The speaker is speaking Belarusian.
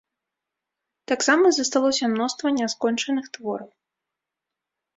Таксама засталося мноства няскончаных твораў.